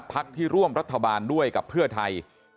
พักที่ร่วมรัฐบาลด้วยกับเพื่อไทย